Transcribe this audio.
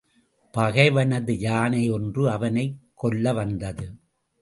பகைவனது யானை ஒன்று அவனைக் கொல்லவந்தது.